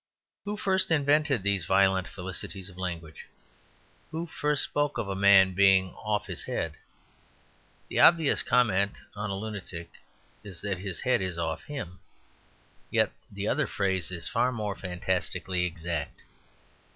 Who first invented these violent felicities of language? Who first spoke of a man "being off his head"? The obvious comment on a lunatic is that his head is off him; yet the other phrase is far more fantastically exact.